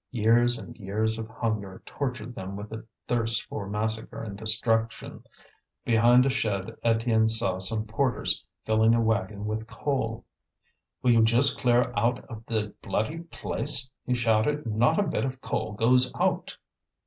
Years and years of hunger tortured them with a thirst for massacre and destruction. Behind a shed Étienne saw some porters filling a wagon with coal. "Will you just clear out of the bloody place!" he shouted. "Not a bit of coal goes out!"